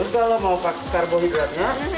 kalau mau pakai karbohidratnya